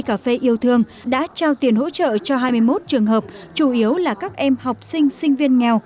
cà phê yêu thương đã trao tiền hỗ trợ cho hai mươi một trường hợp chủ yếu là các em học sinh sinh viên nghèo